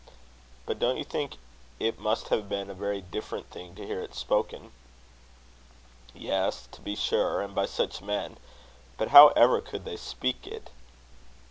"But don't you think it must have been a very different thing to hear it spoken?" "Yes, to be sure and by such men. But how ever could they speak it?"